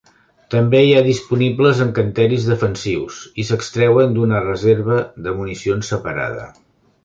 També hi ha disponibles encanteris defensius, i s'extreuen d'una reserva de municions separada.